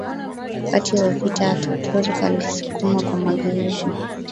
wakati wa vita Ataturk alisukuma kwa mageuzi